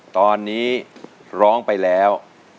ตอนนี้ร้องไปแล้ว